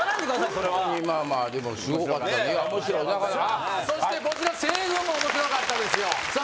それはまあまあでもすごかった面白いさあそしてこちら西軍も面白かったですよさあ